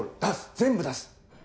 全部出す！